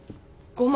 ５万？